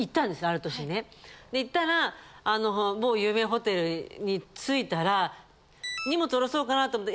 ある年にね行ったらあの某有名ホテルに着いたら荷物降ろそうかなと思って。